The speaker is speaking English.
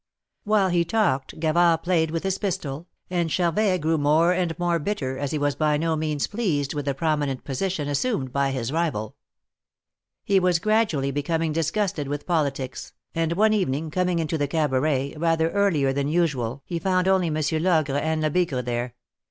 While he talked Gavard played Avith his pistol, and Charvet grew more and more bitter, as he Avas by no means pleased with the prominent position assumed by his rival. He Avas gradually becoming dis gusted Avith politics, and one evening coming into the Cabaret rather earlier than usual he found only Monsieur Logre and Lebigre there.